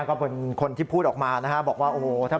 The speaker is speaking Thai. จริงแล้วถ้าหมายจับออกมาแล้วนะคะ